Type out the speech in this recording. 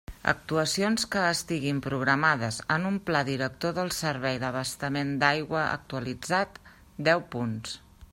Actuacions que estiguin programades en un Pla director del servei d'abastament d'aigua actualitzat: deu punts.